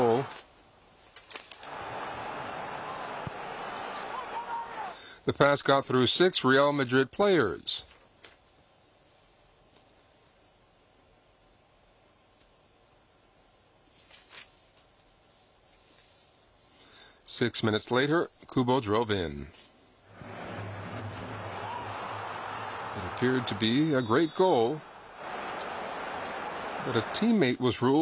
そうですね。